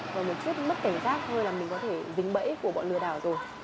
và một chút mất cảnh giác thôi là mình có thể dính bẫy của bọn lừa đảo rồi